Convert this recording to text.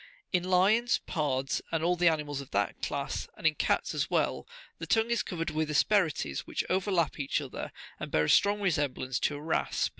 In lions, pards, and all the animals of that class, and in cats as well, the tongue is covered with asperities,52 which overlap each other, and bear a strong resemblance to a rasp.